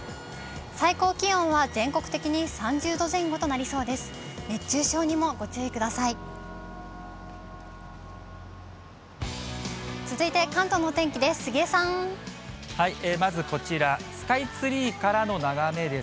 最高気温は全国的に３０度前後となりそうです。